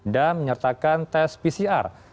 dan menyertakan tes pcr